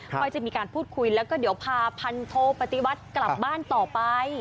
ค่อยจะมีการพูดคุยแล้วก็เดี๋ยวพาพันโทปฏิวัติกลับบ้านต่อไป